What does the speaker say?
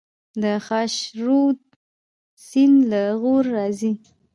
د خاشرود سیند له غور راځي